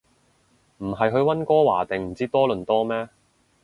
唔係去溫哥華定唔知多倫多咩